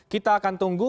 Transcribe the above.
kita akan tunggu